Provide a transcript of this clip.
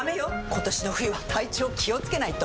今年の冬は体調気をつけないと！